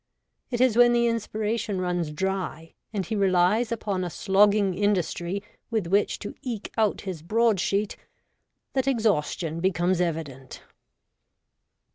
It is when the inspiration runs dry, and he relies upon a slogging industry with which to eke out his broad sheet, that exhaustion becomes evident.